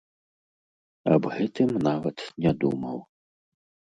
Аб гэтым нават не думаў.